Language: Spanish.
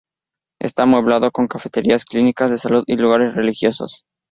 Está amueblado con cafeterías, clínicas de salud y lugares religiosos.